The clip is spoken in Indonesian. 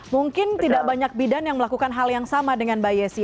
mungkin tidak banyak bidan yang melakukan hal yang sama dengan mbak yesi